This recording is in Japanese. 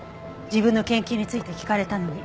自分の研究について聞かれたのに。